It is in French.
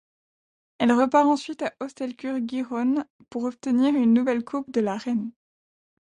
Elle repart ensuite à Hostelcur Gijón pour obtenir une nouvelle Coupe de la Reine.